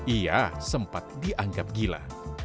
ia sempat dianggap gila